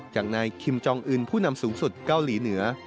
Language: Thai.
อย่างนายคิมจองอื่นผู้นำสูงสุดเกาหลีเหนือ